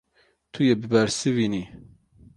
Tu yê bibersivînî.